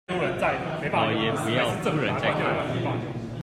老爺不要夫人在看